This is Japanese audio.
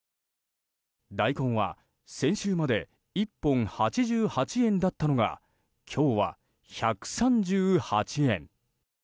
大根は先週まで１本８８円だったのが今日は１３８円。